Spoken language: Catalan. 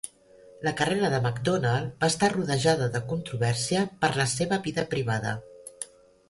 La carrera de MacDonald va estar rodejada de controvèrsia per la seva vida privada.